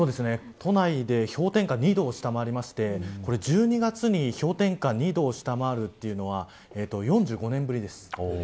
都内で氷点下２度を下回りまして１２月に氷点下２度を下回るというのは４５年ぶりです。